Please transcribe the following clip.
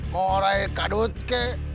mau orang kadut ke